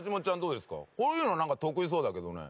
こういうのはなんか得意そうだけどね。